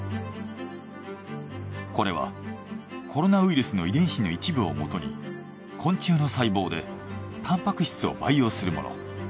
これはコロナウイルスの遺伝子の一部をもとに昆虫の細胞でタンパク質を培養するもの。